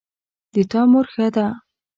د تا مور ښه ده